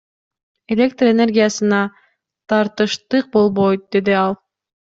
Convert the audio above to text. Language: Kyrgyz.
Электр энергиясына тартыштык болбойт, — деди ал.